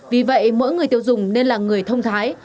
vì vậy mỗi người tiêu dùng nên là người thông thái